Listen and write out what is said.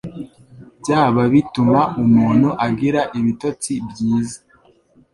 byaba bituma umuntu agira ibitotsi byiza